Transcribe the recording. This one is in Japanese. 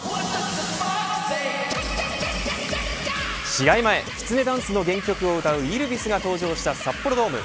試合前きつねダンスの原曲を歌うイルヴィスが登場した札幌ドーム